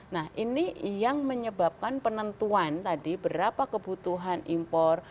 nah ini yang menyebabkan penentuan tadi berapa kebutuhan impor